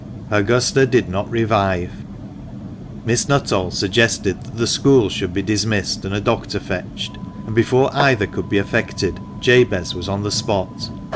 Augusta did not revive. Miss Nuttall suggested that the school should be dismissed, and a doctor fetched ; and, before either could be effected, Jabez was on the spot.